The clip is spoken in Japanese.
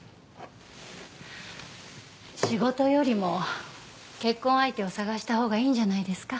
仕事よりも結婚相手を探したほうがいいんじゃないですか？